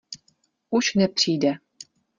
Už nepřijde.